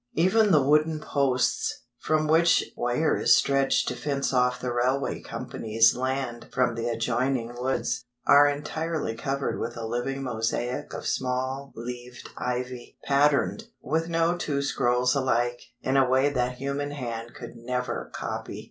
Even the wooden posts, from which wire is stretched to fence off the railway company's land from the adjoining woods, are entirely covered with a living mosaic of small leaved ivy, patterned, with no two scrolls alike, in a way that human hand could never copy.